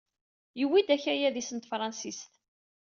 Yewwi-d akayad-is n tefṛansit.